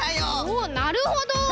おおなるほど！